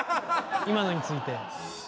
今のについて。